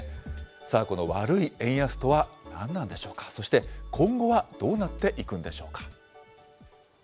さあ、この悪い円安とは何なんでしょうか、そして今後はどうなっていくんでしょうか。